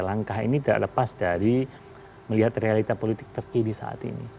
langkah ini tidak lepas dari melihat realita politik terkini saat ini